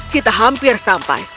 kita hampir sampai